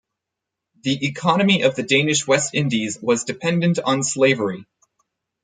The economy of the Danish West Indies was dependent on slavery.